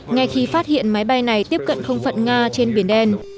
ngay khi phát hiện máy bay này tiếp cận không phận nga trên biển đen